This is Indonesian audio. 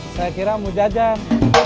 saya kira mau jajan